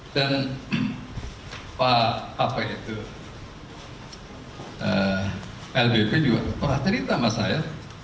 dan pak ap itu lbp juga perhatikan sama saya